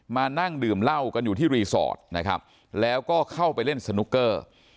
มานั่งดื่มเหล้ากันอยู่ที่รีสอร์ทนะครับแล้วก็เข้าไปเล่นสนุกเกอร์